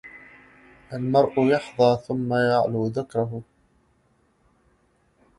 المرء يحظى ثم يعلو ذكره